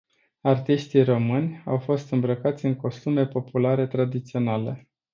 Artiștii români, au fost îmbrăcați în costume populare tradiționale.